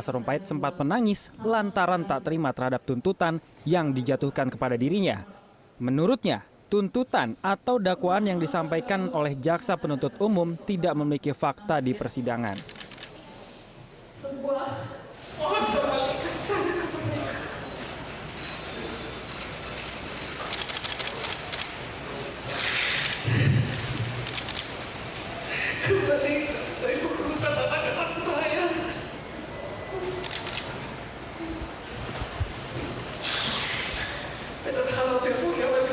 selain itu penarahan yang sebenarnya penarahan itu pas berita yang dianggap sebagai kebohongan itu